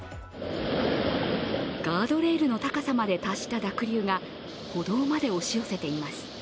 ガードレールの高さまで達した濁流が歩道まで押し寄せています。